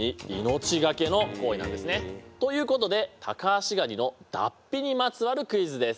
ということでタカアシガニの脱皮にまつわるクイズです。